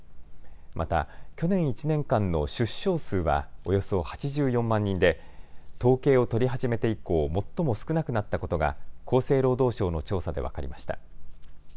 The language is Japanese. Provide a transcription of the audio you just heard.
また去年１年間の出生数はおよそ８４万人で統計を取り始めて以降、最も少なくなったことが厚生労働省の調査で分かりました。